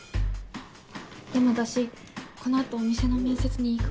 でも私このあとお店の面接に行くから。